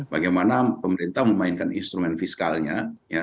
bagaimana pemerintah memainkan instrumen fiskalnya